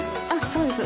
そうです。